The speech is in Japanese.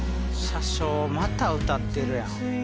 車掌また歌ってるやん。